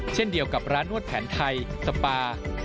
เช่นเดียวกับร้านนวดแผนไทยสปา